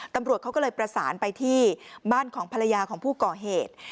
ตำรวจเขาก็เลยประสานไปที่บ้านของภรรยาของผู้ก่อเหตุ